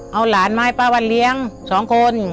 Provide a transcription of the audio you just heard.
เอาหลานมาให้ป้าวันเลี้ยง๒คน